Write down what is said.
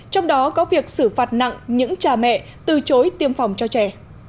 trong đó có việc xử phạt nặng những cha mẹ từ chối tiêm phòng cho trẻ